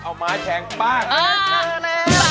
เอามาแชงบ้าน